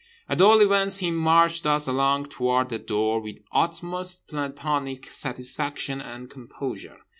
At all events he marched us along toward the door with utmost plantonic satisfaction and composure.